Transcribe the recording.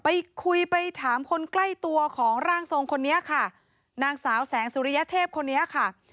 ไปคุยไปถามคนใกล้ตัวของร่างทรงคนนี้ค่ะนางสาวแสงสุริยเทพคนนี้ค่ะ